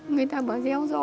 người ta bảo gieo gió